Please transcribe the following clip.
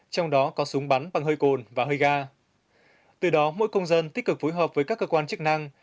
trong đó có súng bắn bằng hơi cồn và hơi ga từ đó mỗi công dân tích cực phối hợp với các cơ quan chức năng